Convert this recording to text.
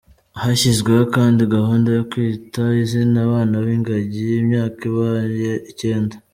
Hashyizweho kandi gahunda yo Kwita Izina abana b’ingagi, imyaka ibaye icyenda.